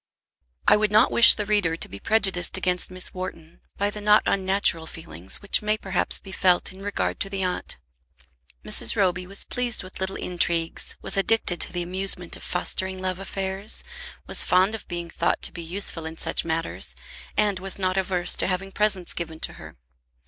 I would not wish the reader to be prejudiced against Miss Wharton by the not unnatural feeling which may perhaps be felt in regard to the aunt. Mrs. Roby was pleased with little intrigues, was addicted to the amusement of fostering love affairs, was fond of being thought to be useful in such matters, and was not averse to having presents given to her.